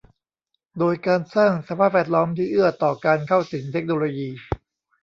โดยการสร้างสภาพแวดล้อมที่เอื้อต่อการเข้าถึงเทคโนโลยี